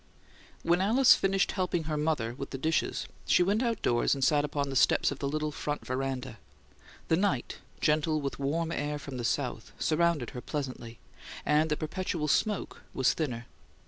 When Alice finished helping her mother with the dishes, she went outdoors and sat upon the steps of the little front veranda. The night, gentle with warm air from the south, surrounded her pleasantly, and the perpetual smoke was thinner.